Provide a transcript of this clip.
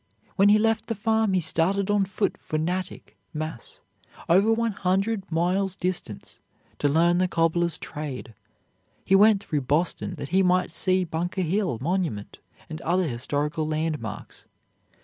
When he left the farm he started on foot for Natick, Mass., over one hundred miles distant, to learn the cobbler's trade. He went through Boston that he might see Bunker Hill monument and other historical landmarks.